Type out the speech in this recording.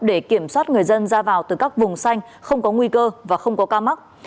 để kiểm soát người dân ra vào từ các vùng xanh không có nguy cơ và không có ca mắc